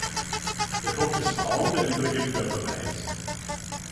Der Kopf ist braun, der übrige Körper weiß.